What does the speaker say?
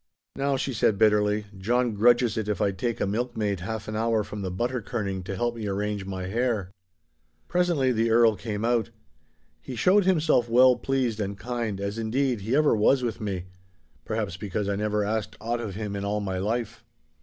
'Now,' she said bitterly, 'John grudges it if I take a milkmaid half an hour from the butter kirning to help to arrange my hair.' Presently the Earl came out. He showed himself well pleased and kind, as, indeed, he ever was with me—perhaps because I never asked aught of him in all my life.